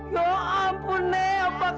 ya ampun nek apa kabar